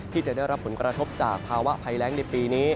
ที่จะได้รับผลกระทบจากภาวะภัยแรงในปีนี้